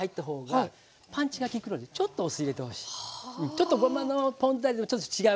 ちょっとごまのポン酢味とちょっと違うから。